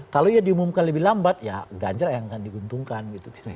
kalau ya diumumkan lebih lambat ya ganjar yang akan diuntungkan gitu